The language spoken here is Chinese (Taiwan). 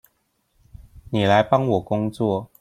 妳來幫我工作